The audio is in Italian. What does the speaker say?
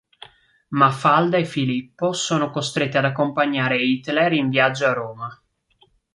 Mafalda e Filippo sono costretti ad accompagnare Hitler in viaggio a Roma.